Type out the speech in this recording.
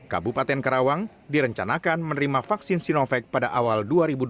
kabupaten karawang direncanakan menerima vaksin sinovac pada awal dua ribu dua puluh